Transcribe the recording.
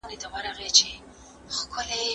د دې ودانیو موخه د اسانتیاوو برابرول وو.